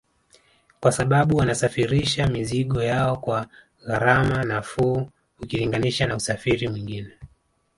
Kwa sababu wanasafirisha mizigo yao kwa gharama nafuu ukilinganisha na usafiri mwingine